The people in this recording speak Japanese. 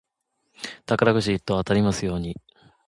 宝くじ一等当たりますように。